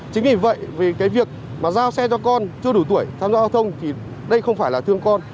chính vì vậy về cái việc mà giao xe cho con chưa đủ tuổi tham gia giao thông thì đây không phải là thương con